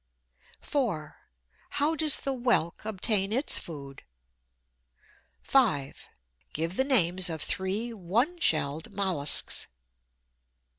4. How does the Whelk obtain its food? 5. Give the names of three one shelled molluscs.